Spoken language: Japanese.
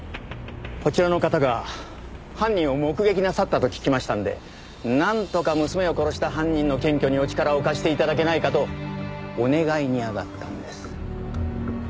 こちらの方が犯人を目撃なさったと聞きましたんでなんとか娘を殺した犯人の検挙にお力を貸して頂けないかとお願いにあがったんです。